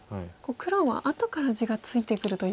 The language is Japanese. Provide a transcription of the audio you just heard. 黒は後から地がついてくるという。